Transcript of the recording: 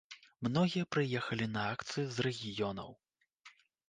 Многія прыехалі на акцыю з рэгіёнаў.